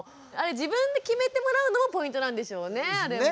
あれ自分で決めてもらうのもポイントなんでしょうね。